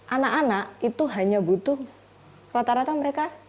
anak anak itu hanya butuh rata rata mereka